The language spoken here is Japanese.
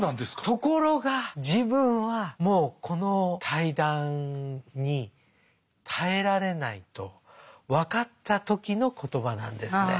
ところが自分はもうこの対談に耐えられないと分かった時の言葉なんですね。